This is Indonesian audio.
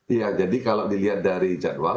iya jadi kalau dilihat dari jadwal